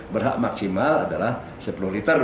berhak maksimal adalah sepuluh liter